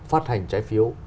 phát hành trái phiếu